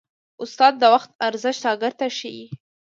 استاد د وخت ارزښت شاګرد ته ښيي.